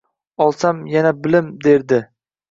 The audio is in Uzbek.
Olsam yana bilim, derdi